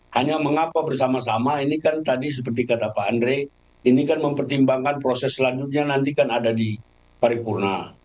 hanya mengapa bersama sama ini kan tadi seperti kata pak andre ini kan mempertimbangkan proses selanjutnya nanti kan ada di paripurna